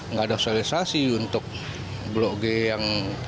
nggak ada sosialisasi untuk blok g yang